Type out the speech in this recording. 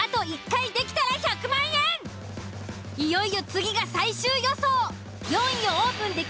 いよいよ次が最終予想。